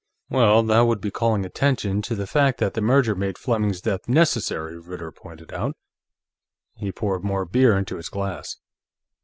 "Well, that would be calling attention to the fact that the merger made Fleming's death necessary," Ritter pointed out. He poured more beer into his glass.